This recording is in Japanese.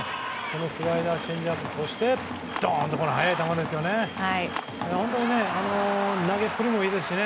スライダー、チェンジアップそして、ドーンとこの速い球ですよね。